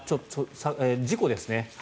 事故ですね。